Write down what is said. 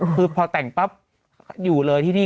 คือพอแต่งปั๊บอยู่เลยที่นี่